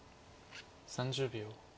３０秒。